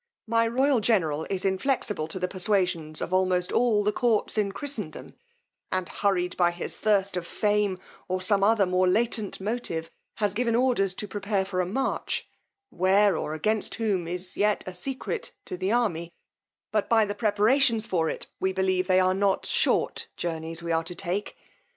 My royal general is inflexible to the persuasions of almost all the courts in Christendom, and hurried by his thirst of fame, or some other more latent motive, has given orders to prepare for a march, where, or against whom, is yet a secret to the army; but by the preparations for it, we believe they are not short journeys we are to take.